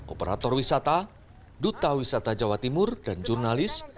operator wisata duta wisata jawa timur dan jurnalis